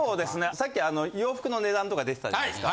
さっき洋服の値段とか出てたじゃないですか。